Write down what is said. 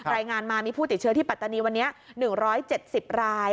รายงานมามีผู้ติดเชื้อที่ปัตตานีวันนี้๑๗๐ราย